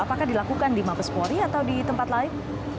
apakah dilakukan di mabespori atau di tempat lain